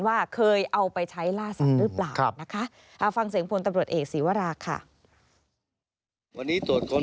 ว่าเคยเอาไปใช้ล่าสัตว์หรือเปล่านะคะ